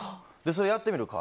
それやってみるか？